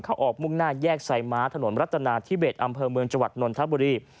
เขาออกมุ่งหน้าแยกใส่ม้าถนนรัตนาทิเบศอำเภอเมืองจวัตรนทัพบุรี